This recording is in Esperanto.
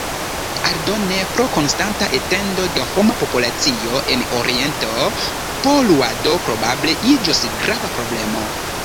Aldone, pro konstanta etendo de homa populacio en Oriento, poluado probable iĝos grava problemo.